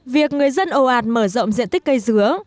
việc người dân ồ ạt mở rộng diện tích cây dứa